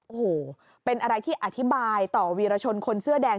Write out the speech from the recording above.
โอ้โหเป็นอะไรที่อธิบายต่อวีรชนคนเสื้อแดง